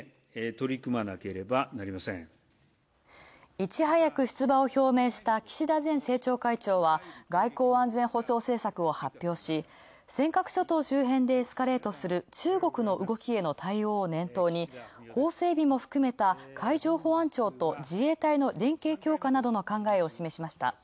いち早く出馬を表明した岸田前政調会長は、外交安全保障政策を発表し、尖閣諸島周辺でエスカレートする中国の動きへの対応を念頭に、法整備も含めた海上保安庁と自衛隊の連携強化の考えを示しました。